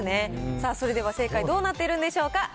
さあ、それでは正解どうなってるんでしょうか。